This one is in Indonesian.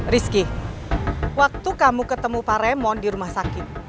rizky waktu kamu ketemu pak raymond di rumah sakit